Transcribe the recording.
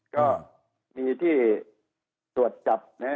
ก็มีที่ตรวจจับ